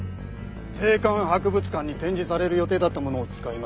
税関博物館に展示される予定だったものを使いました。